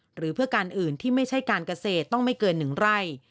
หรือเพื่อการอื่นที่ไม่ใช่การเกษตรต้องไม่เกิน๑ไร่